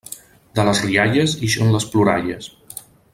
De les rialles ixen les ploralles.